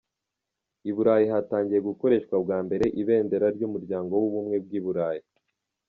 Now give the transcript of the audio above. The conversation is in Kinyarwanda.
I Burayi hatangiye gukoreshwa bwa mbere ibendera ry’umuryango w’ubumwe bw’i Burayi.